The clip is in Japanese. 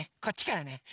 こっちからね。